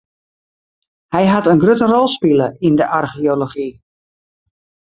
Hy hat in grutte rol spile yn de archeology.